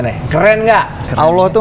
sekarang ada reydu